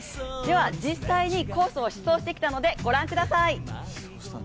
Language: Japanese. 実際に、コースを疾走してきたので御覧ください。